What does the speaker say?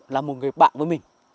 là một người bạn với mình